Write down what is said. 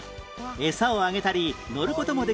餌をあげたり乗る事もできる